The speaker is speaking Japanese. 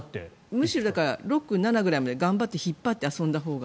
むしろ６、７くらいまで引っ張って、遊んだほうが。